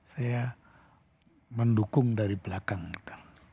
saya mendukung dari belakang kan